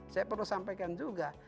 saya perlu sampaikan juga